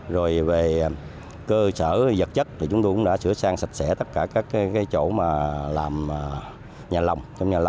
rồi về cơ sở vật chất thì chúng tôi cũng đã sửa sang sạch sẽ tất cả các cái chỗ mà làm nhà lòng